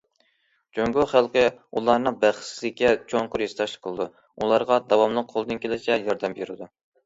جۇڭگو خەلقى ئۇلارنىڭ بەختسىزلىكىگە چوڭقۇر ھېسداشلىق قىلىدۇ، ئۇلارغا داۋاملىق قولىدىن كېلىشىچە ياردەم بېرىدۇ.